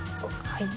はい。